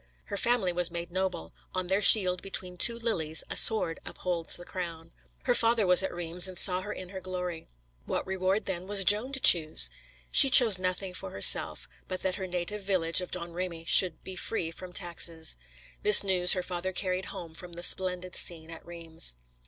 Her family was made noble; on their shield, between two lilies, a sword upholds the crown. Her father was at Reims, and saw her in her glory. What reward, then, was Joan to choose? She chose nothing for herself, but that her native village of Domremy should be free from taxes. This news her father carried home from the splendid scene at Reims.